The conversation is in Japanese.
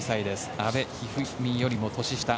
阿部一二三よりも年下。